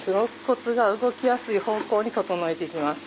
肋骨が動きやすい方向に整えて行きます。